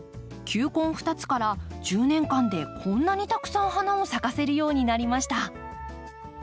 球根２つから１０年間でこんなにたくさん花を咲かせるようになりました。